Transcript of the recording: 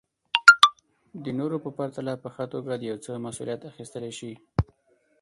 د نورو په پرتله په ښه توګه د يو څه مسوليت اخيستلی شي.